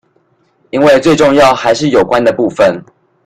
因為最重要還是有關的部分